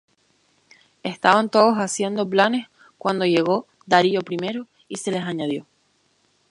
Estaban todos haciendo planes cuando llegó Darío I y se les añadió.